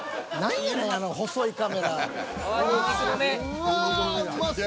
うわうまそう！